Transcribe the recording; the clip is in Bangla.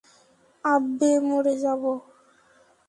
আব্বে, মরে যাব?